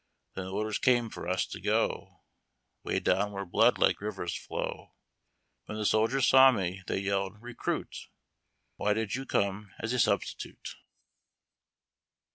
Then orders came for us to go, Way down where blood like rivers flow. When the soldiers saw me, they yelled, " Recruit! Why did you come as a substitute